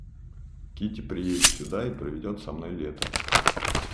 Кити приедет сюда и проведет со мною лето.